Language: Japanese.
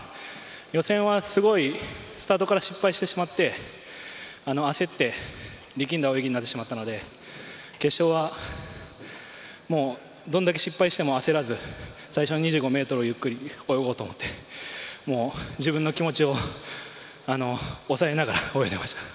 予選は、すごいスタートから失敗ししまって焦って力んだ泳ぎになってしまったので決勝はどんだけ失敗しても焦らず最初の２５ｍをゆっくり泳ごうと思って自分の気持ちを抑えながら泳いでいました。